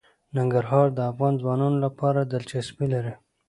ننګرهار د افغان ځوانانو لپاره دلچسپي لري.